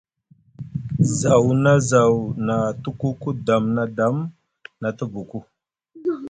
Zaw na zaw na te kuku dam na dam na te buku.